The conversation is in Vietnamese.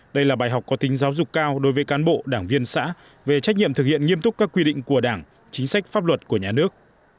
đây là bài học có tính giáo dục cao đối với cán bộ đảng viên xã về trách nhiệm thực hiện nghiêm túc các quy định của đảng chính sách pháp luật của nhà nước